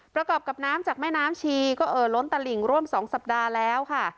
ประกอบกับน้ำจากแม่น้ำชีก็เอ่อล้นตลิ่งร่วม๒สัปดาห์แล้วค่ะ